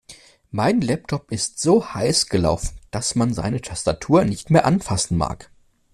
Mein Laptop ist so heiß gelaufen, dass man seine Tastatur nicht mehr anfassen mag.